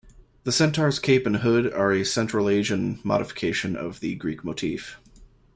The centaur's cape and hood are a central Asian modification of the Greek motif.